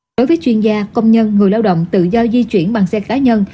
đối với chuyên gia công nhân người lao động tự do di chuyển bằng xe cá nhân